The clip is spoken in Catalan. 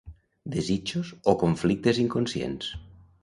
desitjos o conflictes inconscients